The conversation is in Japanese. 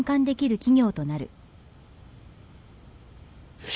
よし。